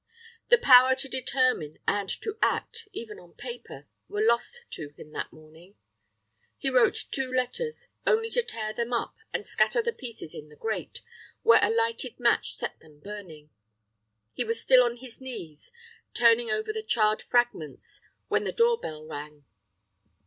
The power to determine and to act, even on paper, were lost to him that morning. He wrote two letters, only to tear them up and scatter the pieces in the grate, where a lighted match set them burning. He was still on his knees, turning over the charred fragments, when the door bell rang.